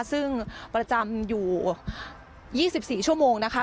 ซึ่งประจำอยู่๒๔ชั่วโมงนะคะ